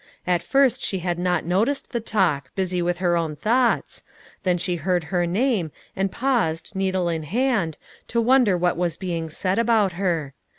At first she had not noticed the talk, busy with her own thoughts, then she heard her name, and paused needle in hand, to wonder what was being said about her.